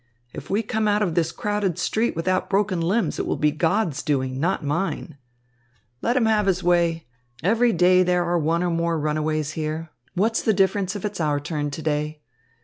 If we come out of this crowded street without broken limbs, it will be God's doing, not mine." "Let him have his way. Every day there are one or more runaways here. What's the difference if it's our turn to day?"